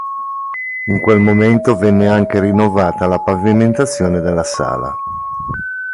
In quel momento venne anche rinnovata la pavimentazione della sala.